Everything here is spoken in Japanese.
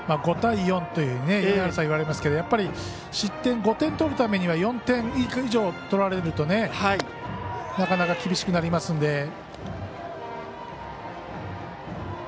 ５対４という言われますけどやっぱり失点５点以上取るためには４点以上取られるとねなかなか厳しくなりますので。